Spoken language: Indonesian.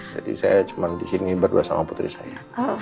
jadi saya cuma di sini berdua sama putri saya